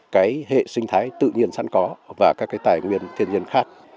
cái hệ sinh thái tự nhiên sẵn có và các cái tài nguyên thiên nhiên khác